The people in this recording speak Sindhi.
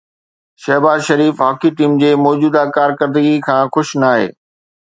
شهباز شريف هاڪي ٽيم جي موجوده ڪارڪردگيءَ کان خوش ناهي